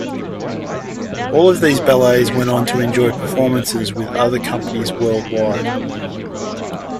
All of these ballets went on to enjoy performances with other companies worldwide.